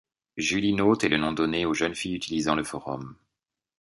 Julienaute est le nom donné aux jeunes filles utilisant le forum.